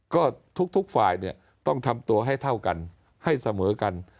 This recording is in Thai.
ก็ทุกฝ่ายต้องทำตัวให้เท่ากันให้เสมอกัน